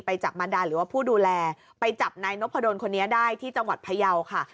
จากมารดาหรือว่าผู้ดูแลไปจับนายนพดลคนนี้ได้ที่จังหวัดพยาวค่ะ